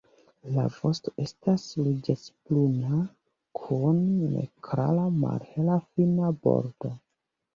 La vosto estas ruĝecbruna kun neklara malhela fina bordo.